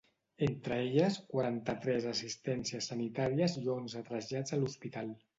Entre elles, quaranta-tres assistències sanitàries i onze trasllats a l’hospital.